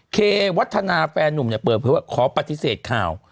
เควัฒนาแฟนนุ่มเนี่ยเปิดเผยว่าขอปฏิเสธข่าว